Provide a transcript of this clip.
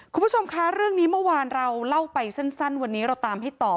คุณผู้ชมคะเรื่องนี้เมื่อวานเราเล่าไปสั้นวันนี้เราตามให้ต่อ